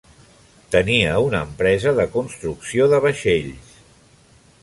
Tenia una empresa de construcció de vaixells.